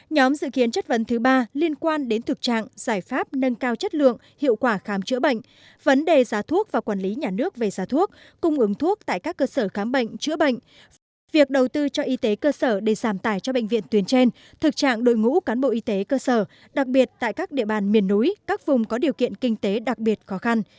nhóm dự kiến chất vấn thứ ba liên quan đến thực trạng giải pháp nâng cao chất lượng hiệu quả khám chữa bệnh vấn đề giá thuốc và quản lý nhà nước về giá thuốc cung ứng thuốc tại các cơ sở khám bệnh chữa bệnh việc đầu tư cho y tế cơ sở để giảm tài cho bệnh viện tuyến trên thực trạng đội ngũ cán bộ y tế cơ sở đặc biệt tại các địa bàn miền núi các vùng có điều kiện kinh tế đặc biệt khó khăn